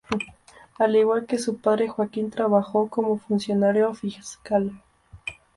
Al igual que su padre, Joaquín trabajó como funcionario fiscal.